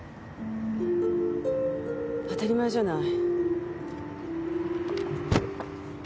当たり前じゃない。